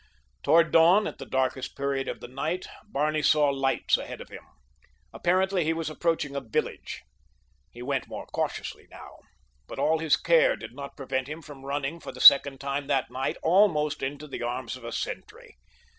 Toward dawn, at the darkest period of the night, Barney saw lights ahead of him. Apparently he was approaching a village. He went more cautiously now, but all his care did not prevent him from running for the second time that night almost into the arms of a sentry.